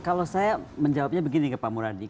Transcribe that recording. kalau saya menjawabnya begini ke pak muradi